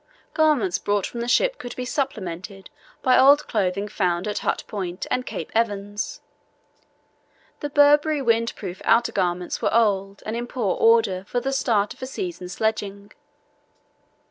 Garments brought from the ship could be supplemented by old clothing found at Hut Point and Cape Evans. The Burberry wind proof outer garments were old and in poor order for the start of a season's sledging.